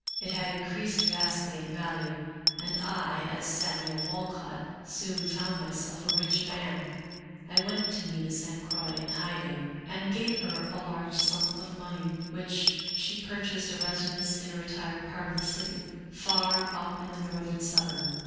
It had increased vastly in value, and I, as Samuel Walcott, soon found myself a rich man. I went to Nina San Croix 76 Melville Davis son Post in hiding and gave her a large sum of money, with which she purchased a residence in a retired part of the city, far up in the northern suburb.